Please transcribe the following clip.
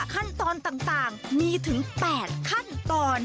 ขั้นตอนต่างมีถึง๘ขั้นตอน